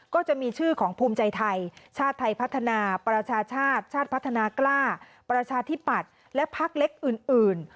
ก็จะมีชื่อของภูมิใจไทยชาติไทยพัฒนาประชาชาติชาติพัฒนากล้าประชาธิปัตย์และพักเล็กอื่น